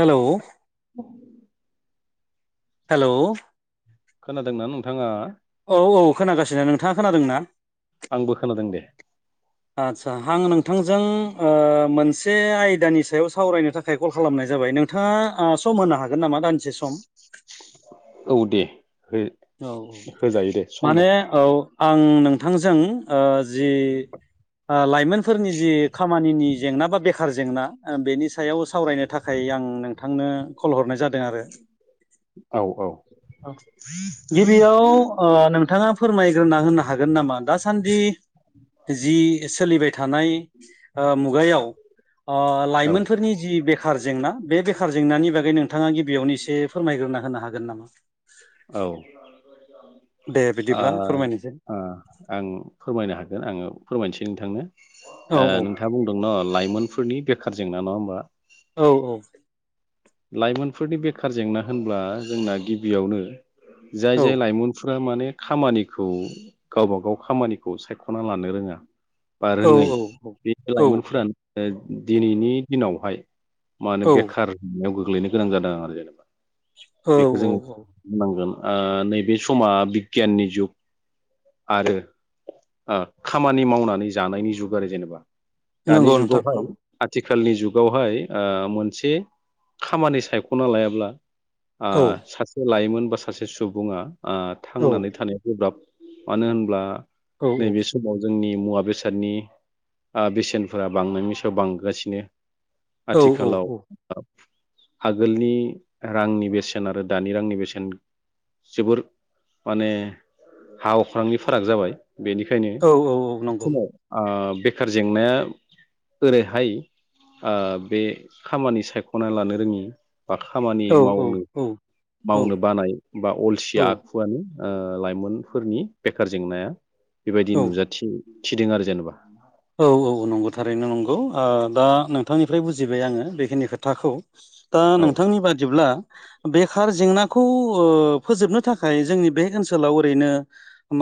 Hello [unintelligible] hello! खोनादोंना नोंथाङा? औ औ खोनागासिनो नोंथाङा खोनादोंना? आंबो खोनादोंदे । आदसा हां नोंथांजों ओ मोनसे आयदानि सायाव सावरायनो थाखाय कल खालामनाय जाबाय नोंथाङा आ सम होनो हागोन नामा दान्दिसे सम? औ दे ‌ औ औ दं माने औ आं नोंथांजों ओ जि ओ लाइमोनफोरनि जि खामानिनि जेंना बा बेखार जेंना ओ बेनि सायाव सावरायनो थाखाय आं नोंथांनो कल हरनाय जाद औ औ गिबियाव ओ नोंथाङा फोरमायग्रोना होनो हागोन नाम मा दासान्दि जि सोलिबाय थानाय ओ मुगायाव ओ औ लाइमोनफोरनि जि बेखार जेंना बे बेखार जेंनानि बागै नों थाङा गिबियावनो एसे फोरमायग्रोना होनो हागोन नामा? औ दे आ बिदिब्ला फोरमायनोसै आ आं फोरमायनो हागोन आङो फोरमायनोसै नोंथांनो औ ओ औ नोंथाङा बुंदों न' लाइमोनफोरनि बेखार जेंना नङा होम बा औ औ लाइमोनफोरनि बेखार जेंना होनब्ला जोंना गिबियावनो जाय औ जाय लाइमोनफो रा माने खामानिखौ गावबा गाव खामानिखौ सायख'ना लानो रोङा। बा औ रोङै औ बे लाइमोनफोरानो ओ दिनैनि दिनावहाय मानो औ बेखार याव गोग्लैनो गोनां जादों आरो जेनेबा औ बेखौ जोङो औ औ बुंनांगोन ओ नैबे समा बिगियाननि जुग आरो ओ खामानि मावनानै जानायनि जुग आरो जेनेबा नंगौ नोंथां औ खालनि जुगावहाय ओ मोनसे खामानि सायख'ना लायाब्ला ओ औ सासे लाइमोन बा सासे सुबुङा ओ औ थांनानै थानाया गोब्राब मानो होनब्ला औ नैबे समाव जोंनि मुवा बेसादनि ओ बेसेनफोरा बांनायनि सायाव बांगासिनो। औ आथिखालाव आगोलनि रांनि बेसेन आरो दानि रांनि बेसेन जोबोर माने हा अख्रांनि फाराग जाबाय बेनिखायनो औ औ नंगौ समाव आ बेखार जेंनाया ओरैहाय ओ बे खामानि सायख' ख'ना लानो रोङि बा खामानि औ मावनो औ औ मावनो बानाय बा अलसिया औ आखुआनो ओ लाइमोनफोरनि बेखार जेंनाया बेबायदि नुजाथि थिदों आरो जेनेबा औ औ औ नंगौ थारैनो नंगौ ओ दा नोंथांनिफ्राय बुजिबाय आङो बेखिनि खोथाखौ दा औ नोंथांनि बादिब्ला बेखार जेंनाखौ ओ फोजोबनो थाखाय जोंनि बे ओनसोलाव ओरैनो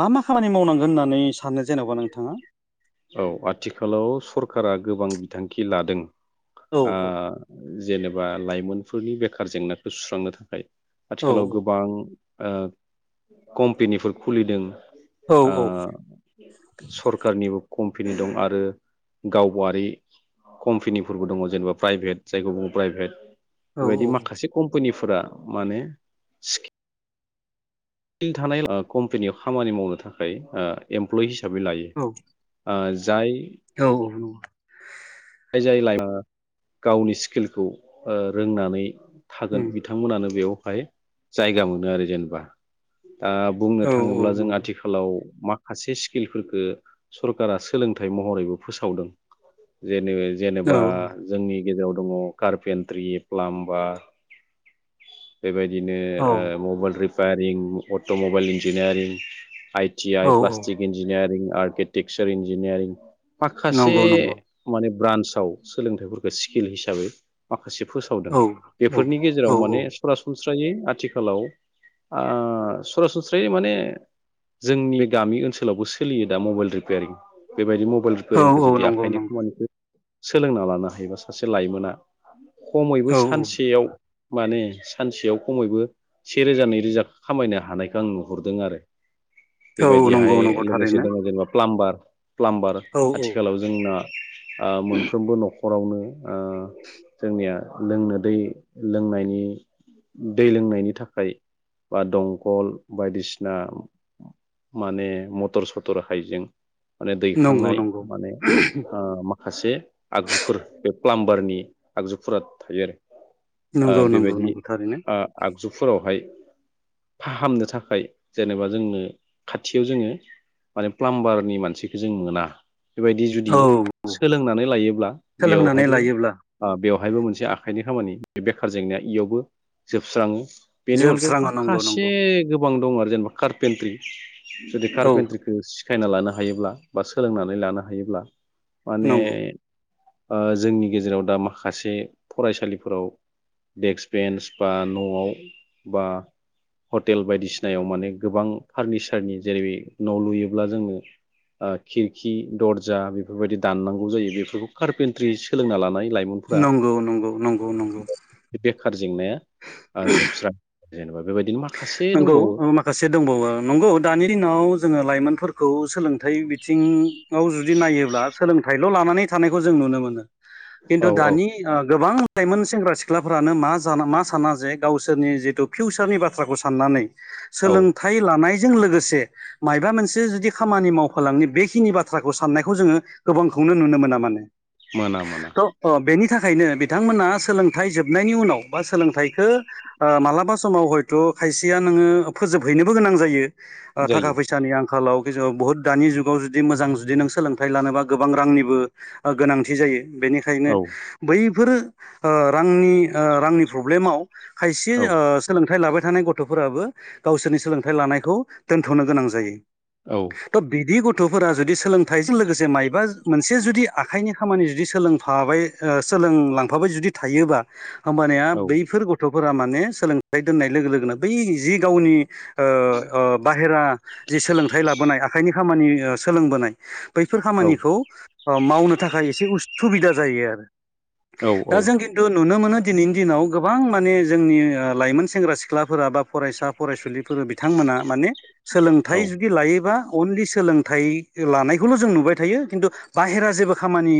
मामा खामानि मावनांगोन होननानै सानो जेन'बा नोंथाङा औ आथिखालाव सरकारा गोबां बिथांखि लादों औ ओ औ जेनेबा लाइमोन फोरनि बेखार जेंनाखौ सुस्रांनो थाखाय औ आथिखालाव गोबां ओ कम्पेनिफोर खुलिदों औ ओ सरखारनिबो कम्पेनि दं आरो गावबारि कम्पेनिफोरबो दङ जेनेबा प्राइभेट जायखौ बुङो प्राइभेट औ बेबायदि माखासे कम्पेनिफोर फोरा माने थानाय ओ कम्पेनियाव खामानि मावनो थाखाय ओ एमप्लयिस हिसाबै लायो ओ जाय औ औ नोंगौ जाय लायमोन ओ गावनि स्किलखौ ओ रोंनानै थागोन बिथांमोनानो बेयाव फाय जायगा मोनो आरो जेनेबा ओ बुंनो थाङोब्ला जों आथिखालाव माखासे स्किलफोरखौ सरकारा सोलोंथाइ महरैबो फोसावदों नैबे जेनेबा औ जोंनि गेजेराव दङ कारपेन्ट्रि प्लामबा बेबायदि औ बिदिनो ओ मबाइल रि फायारिं अट' मबाइल इन्जिनियारिं आइ टि औ आइ औ प्लास्टिक इन्जिनियारिं आरकिटेक्चार इन्जिनियारिं माखासे नंगौ उम ब्रान्साव सोलोंथाइफोरखौ स्किल हिसाबै माखासे माखासे फोसावदों औ बेफोरनि गेजेराव नंगौ माने सरासनस्रा स्रायै आथिखालाव आ सरासनस्रायै माने जोंनि बे गामि ओनसोलावबो सोलियो दा मबाइल रिपयारिं बेबायदि मबाइ औ औ नंगौ नंगौ सोलोंना लानो हायोबा सासे लाइमोना खमैबो औ सानसेयाव माने सानसेयाव खमैबो सेेरोजा नैरोजा खामायनो हानायखौ आं नुहुरदों आरो औ औ नंगौ औ नंगौ बेबायदिहाय नंगौ लोगोसे थारैनो दङ जेनेबा प्लामबार प्लामबार औ औ आथिखालाव जोंना अ मोनफ्रोमबो न'खर हरावनो ओ जोंनिया लोंनो दै लोंनायनि दै लोंनायनि थाखाय बा दंखल बायदिसिना माने मटर सटर हाइजें माने नंगौ दैखांनाय नंगौ माने ओ माखासे आगजुफोर बे प्लामबारनि आगजुफोरा थायो आरो नंगौ नंगौ नंगौ थारैनो। जुगफोरावहाय फाहामनो थाखाय जेनेबा जोंनो खाथियाव जोङो माने प्लामबारनि मानसिखौ जों मोना बेबायदि जुदि औ सोलोंनानै लायोब्ला सोलोंनानै बेयावहायबो लायोब्ला ओ बेवहायबो मोनसे आखाइनि खामानि बे बेखार जेंनाया इयावबो जोबस्राङो। बेनि अनगायावबो जोबस्राङो नंगौ माखासे नंगौ गोबां दं आरो जेनेबा कारपेन्ट्रि जदि औ कारपेनट्रिरिखौ सि सिखायना लानो हायोब्ला बा सोलोंनानै लानो हायोब्ला माने नंगौ ओ जोंनि गेजेराव दा माखासे फरायसालिफोराव देक्स बेन्स बा न'आव बा हटेल बायदिसिनायाव माने गोबां फारनिचारनि जेरै न' लुयोब्ला जोङो ओ खिरखि दरजा बे बेफोरबायदि दाननांगौ जायो बेफोरखौ कारपेन्ट्रि सोलोंना लानाय लाइमोनफोरा नंगौ नंगौ नंगौ नंगौ बे बेखार जेंनाया ओ जोबस्रां जेनेबा बे बायदिनो मा नंगौ ओ माखासे दंबावो नंगौ दानि दिनाव जोङो लाइमोनफोर खौ सोलोंथाइ बिथिङाव जुदि नायोब्ला सोलोंथाइल' लानानै थानायखौ जों नुनो मोनो औ खिन्थु औ दानि ओ गोबां लाइमोन सेंग्रा सिख्लाफोरानो मा जाना मा साना जे गावसोरनि जिथु फिउसारनि बाथ्राखौ सान साननानै औ सोलोंथाइ लानाय जों लोगोसे मायबा मोनसे जुदि खामानि मावफालांनि बेखिनि बाथ्राखौ साननायखौ जोङो गोबांखौनो नुनो मोना माने। मोना मोना त ओ बेनि था थाखायनो बिथांमोना सोलोंथाइ जोबनायनि उनाव बा सोलोंथाइखौ ओ मालाबा समाव हयथ' खायसेया नोङो फोजोबहैनोबो गोनां जायो। ओ थाखा जायो फैसानि आंखालाव। जों बुहुत दानि जुगाव जुदि मोजां जुदि नों सोलोंथाइ लानोबा गोबां रांनिबो गोनांथि जायो। बेनिखायनो औ बै बेफोरो ओ रांनि ओ रांनि प्रब्लेमाव खायसे औ ओ सोलोंथाइ लाबाय थानाय गथ' गथ'फोराबो गावसोरनि सोलोंथाइ लानायखौ दोनथ'नो गोनां जायो। औ त बिदि गथ' गथ'फोरा जुदि सोलोंथाइजों लोगोसे मायबा मोनसे जुदि आखाइनि खामानि जुदि सोलोंफाबाय ओ सोलोंलांफाबाय जुदि थायोबा होमबाना औ बैफोर गथ' फोरा माने सोलोंथाइ दोननाय लोगो लोगोनो बै जि गावनि ओ ओ बाहेरा जि सोलोंथाइ लाबोनाय आखाइनि खामानि सोलोंबोनाय बैफोर औ खामानिखौ मावनो थाखाय एसे उ सुबिदा जायो आरो। औ दा औ जों खिन्थु नुनो मोनो दिनैनि दिनाव गोबां माने जोंनि लाइमोन सेंग्रा सिख्ला फोरा बा फरायसा फरायसुलिफोर बिथांमोना माने औ सोलोंथाइ जुदि लायोबा अनलि सोलोंथाइ लानायखौल' जों नुबाय थायो खिन्थु बाहेरा जेबो खामानि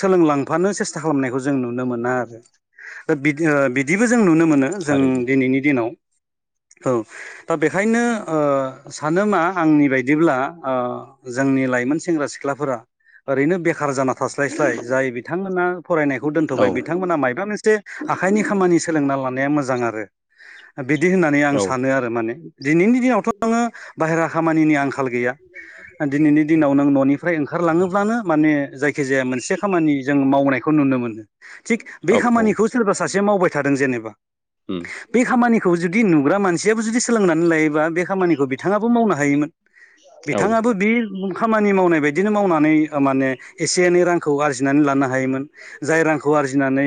सोलोंलांफानो सेस्था खालामनायखौ जों नुनो मोना आरो दा बिदि बिदिबो जों नुनो मोनो जों थारैनो दिनैनि दिनाव औ दा बेखायनो ओ सानो मा आंनि बायदिब्ला ओ जोंनि लाइमोन सेंग्रा सिख्लाफोरा ओरैनो बे खार जाना थास्लायस्लाय जाय बिथांमोना फरायनायखौ औ दोनथ'बाय बिथांमोना मायबा मोनसे आखाइनि खामानि सोलोंना लानाया मोजां मोजां आरो। बिदि होननानै आं औ सानो आरो माने दिनैनि दिनावथ' नोङो बाहेरा खामानिनि आंखाल गैया दिनैनि दिनाव नों न'निफ्राय ओंखारलाङोब्लानो माने जायखि जाया मोनसे खामानि जों मावनायखौ नुनो मोनो। थिग बे औ औ खामानिखौ सोरबा सासे मावबाय थादों जेनेबा उम बे खामानिखौ जुदि नुग्रा मानसियाबो जुदि सोलोंनानै लायोबा। बे खामानिखौ बिथाङाबो मावनो हायोमोन औ बिथाङाबो बे खामानि मावनाय बेदिनो मावनानै माने एसे एनै रांखौ आरजिनानै लानो हायो। हायोमोन जाय रांखौ आरजिनानै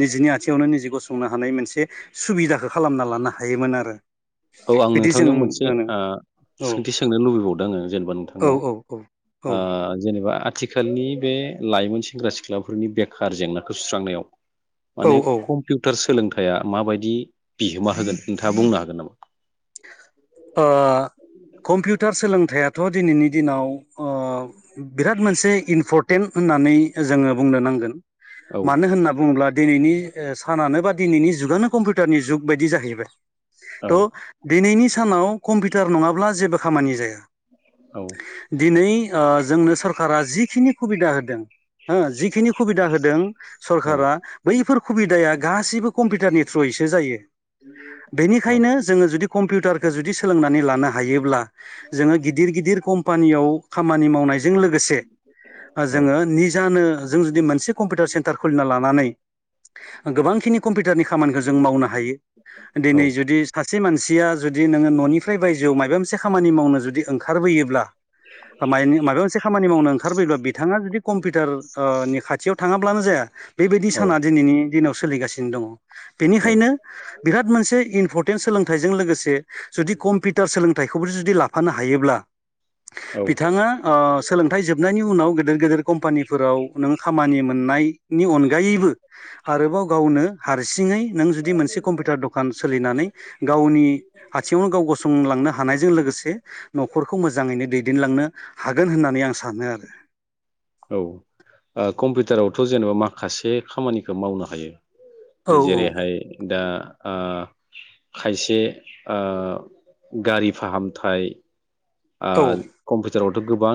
निजिनि आथिङयावनो निजि गसंनो हायो। मोनसे सुबिदाखौ खालामना लानो हायोमोन आरो। औ आं बिदि जों नोंथांनियाव मोनसे औ सोंथि सोंनो लुबैबावदों आङो जेनेबा औ नोंथांनाव औ औ जेनेबा आथिखालनि बे लाइमोन सेंग्रा सिख्लाफोरनि बेखार जेंनाखौ सुस्रांनायाव औ माने औ ओ कम्पिउटार सोलोंथाइ। थाया माबायदि बिहोमा होगोन नोंथाङा बुंनो हागोन नामा? ओ कम्पिउटार सोलोंथाइआथ' दिनैनि दिनाव बिराद मोनसे इनफर्ट टेन होननानै जोङो बुंनो नांगोन। औ मानो होनना बुङोब्ला दिनैनि सानानो बा दिनैनि जुगानो कम्पिउटारनि जुग बायदि जाहैबाय औ त- दिनैनि सानाव कम्पिउटार नङाब्ला जेबो खामानि जाया। औ दिनै जोंनो सरकारा जिखिनि सुबिदा होदों। हो जिखिनि सुबिदा होदों औ सरखारा बैफोर सुबिदाया गासिबो कम्पिउटारनि थ्रुयैसो जायो औ बेनिखायनो जोङो जुदि कम्पिउटारखौ जुदि सोलोंनानै लानो हायोब्ला जोङो गिदिर गिदिर कम‌ कम्पानियाव खामानि मावनायजों लोगोसे औ जोङो निजानो जों जुदि मोनसे कम्पिउटार सेन्टार खुलिना लानानै गोबांखिनि कम्पिउटारनि खामानिखौ जों मावनो हायो दिनै जुदि सासे मान मानसिया जुदि नोङो न'निफ्राय बायजोआव माबा मोनसे खामानि मावनो जुदि ओंखारबोयोब्ला माबा मोनसे खामानि मावनो ओंखारबोयोब्ला बिथाङा जुदि कम्पिउटार नि खाथियाव थ थाङाब्लानो जाया बेबायदि साना दिनैनि दिनाव सोलिगासिनो दङ औ बेनिखायनो बिराद मोनसे इम्पर्टेन्ट सोलोंथाइ। जों लोगोसे जुदि कम्पिउटार सोलोंथाइखौबो जुदि लाफानो हायोब्ला औ बिथाङा सोलोंथाइ जोबनायनि उनाव गेदेर गेदेर कम्पानि फोराव नों खामानि मोननायनि अनगायैबो आरोबाव गावनो हार सिङै नों जुदि मोनसे कम्पिउटार दखान सोलिनानै गावनि आथिङावनो गाव गसंलांनो हानायजों लोगोसे न'खर खौ मोजाङैनो दैदेनलांनो हागोन होननानै आं सानो आरो औ ओ कम्पिउटारावथ जेनेबा माखासे खामानिखौ मावनो हायो औ औ जेरैहाय दा ओ खायसे गारि ओ फाहामथाय ओ औ कम्पि टारावथ गोबां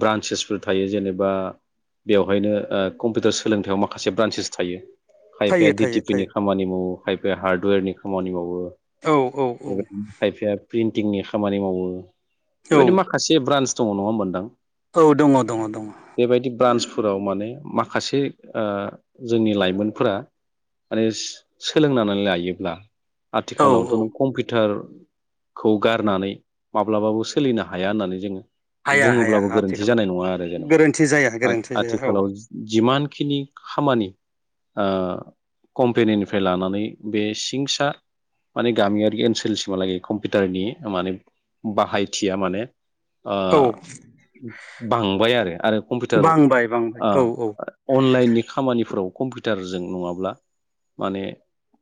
ब्रान्सेसफोर थायो जेनेबा बेवहायनो ओ कम्पिउटार सोलोंथायाव माखासे ब्रान्सेस थायो खायफाया थायो थायो थायो डिटिपिनि खामानि मावो खायफाया हार्डवेरनि खामानि मावो औ औ औ खायफाया प्रिन्टिंनि खामानि मावो औ बेबायदि माखासे ब्रान्स नङा होनबा नोंथां औ दङ दङ दङ फोराव माने माखासे ओ जोंनि लाइमोनफोरा माने सोलोंनानै लायोब्ला औ आथिखालावथ औ नों कम्पिउटार खौ गारनानै माब्लाबाबो सोलिनो हाया होननानै जोङो हाया हाया बुङोब्लाबो गोरोन्थि आथिखालाव जानाय नङा आरो गोरोन्थि जाया जेनेबा गोरोन्थि जाया औ आथिखालाव जिमान जिखिनि खामानि ओ कम्पेनिनिफ्राय लानानै बे सिंसा माने गामियारि ओनसोलसिमहालागै कम्पिउटारनि माने बाहाय मिथिया माने ओ औ बांबाय आरो आरो कम्पिउटार बांबाय बांबाय ओ औ औ अनलाइननि खामानिफोराव कम्पिउटारजों नङाब्ला माने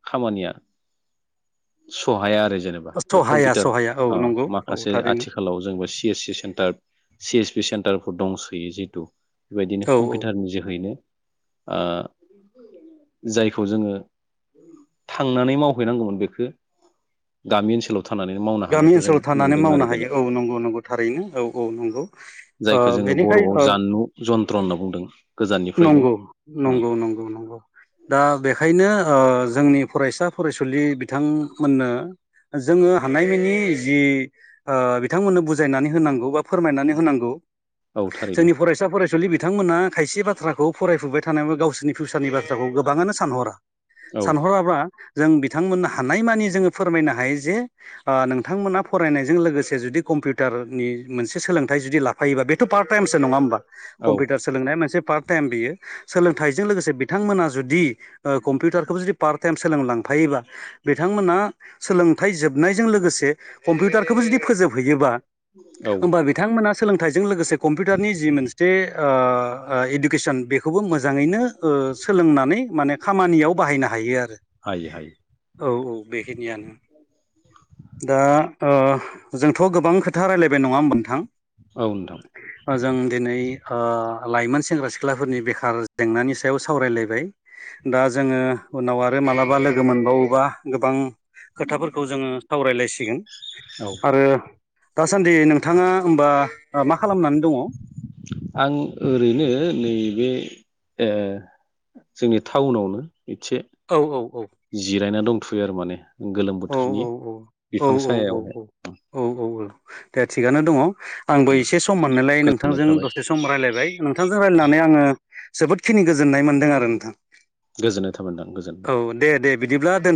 खामानिया सहाया आरो जेनेबा बे सहाया कम्पिउटार सहाया औ ओ नंगौ औ माखासे थारै आथिखालाव जोंबो C S C centre C S P सेन्टारफोर दंसोयो जिहेतु बेबायदिनो औ कम्पिउटार नि जोहैनो ओ जायखौ जोङो थांनानै मावहैनांगौमोन बेखौ गामि ओनसोलाव थानानै मावनो गामि हानायखौ जों ओनसोलाव थानानै नुदों मावनो आरो हायो जेनेबा । औ नंगौ नंगौ थारैनो औ औ नंगौ ओ जायखौ जोङो बेनिखाय बर'आव ओ जानलु जन्थ्र होनना बुंदों गोजाननिफ्रायनो नंगौ ओं नंगौ नंगौ नंगौ दा बेखायनो ओ जोंनि फरायसा फरायसुलि बिथांमोननो जोङो हानायमिनि जि ओ बिथांमोननो बुजायनानै होनांगौ बा फोरमायनानै होनांगौ औ । थारैनो जोंनि फरायसा फरायसुलि बि बिथांमोना खायसे बा थ्राखौ फरायफुबबाय थानायाबो गावसोरनि फिउसारनि बाथ थ्राखौ गोबाङानो सानहरा । औ सानहराब्ला जों बिथांमोननो हानाय मानि जोङो फोरमायनो हायो जे ओ नोंथांमोना फरायनायजों लोगोसे जुदि कम्पिउटारनि मोनसे सोलोंथाइ जुदि लाफायोबा बेथ' पार्ट टाइमसो नङा होमबा? औ कम्पिउटार सोलोंनाया मोनसे टाइम बियो सोलोंथाइजों लोगोसे बिथांमोना जुदि ओ कम्पिउटारखौबो जुदि पार्ट टाइम सोलोंलांफायोबा बिथांमोना सोलोंथाइ जोबनायजों लोगोसे कम्पिउटारखौबो जुदि फोजोबहैयोबा औ होमबा बिथांमोना सोलोंथाइजों लोगोसे कम्पिउटारनि जि मोनसे ओ ओ इडुकेसन बेखौबो मोज जाङैनो ओ सोलोंनानै माने खामानियाव बाहायनो हायो आरो । हायो हायो औ औ । बेखिनियानो दा ओ जोंथ' गोबां खोथा रायलायबाय नङा होम्बा मोनथां? औ नोंथां जों दिनै ओ लाइमोन सेंग्रा सिख्लाफोरनि बेखार जेंनानि सायाव सावरायलायबाय । दा जोङो उनाव आरो मालाबा लोगो मोनबावोबा गोबां खोथाफोरखौ जोङो सावरायलायसिगोन औ आरो दासान्दि नोंथाङा होमबा मा खालामनानै दङ? आं ओरैनो नैबे ओ जोंनि थाउनावनो से औ औ जिरायना दं । थुयो आरो माने । गोलोम औ औ बोथोरनि बिफां औ सायावहाय औ । औ औ दे थिगानो दङ' । आंबो इसे सम मोननायलाय गोजोननाय नोंथांजों थाबाय दसे सम रायलायबाय नोंथांजों रायलायनानै आङो जोबोदखिनि गोजोननाय मोनदों आरो नोंथां । गोजोननाय थाबायनदां गोजोनबाय । दे बिदिब्ला दोन